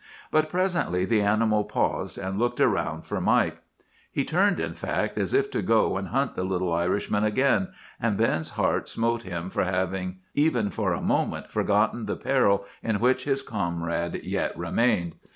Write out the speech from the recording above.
But presently the animal paused and looked around for Mike. "He turned, in fact, as if to go and hunt the little Irishman again, and Ben's heart smote him for having even for a moment forgotten the peril in which his comrade yet remained.